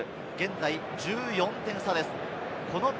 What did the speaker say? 現在、１４点差です。